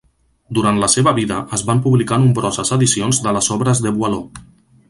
Durant la seva vida es van publicar nombroses edicions de les obres de Boileau.